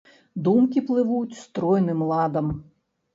Думкі плывуць стройным ладам.